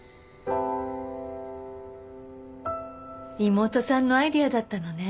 妹さんのアイデアだったのね。